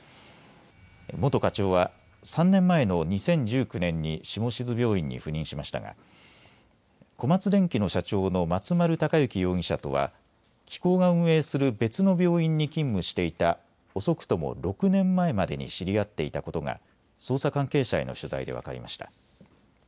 元課長は３年前の２０１９年に下志津病院に赴任しましたが小松電器の社長の松丸隆行容疑者とは機構が運営する別の病院に勤務していた遅くとも６年前までに知り合っていたことが捜査関係者への取材で分かりました。